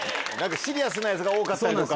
・シリアスなやつが多かったりとか。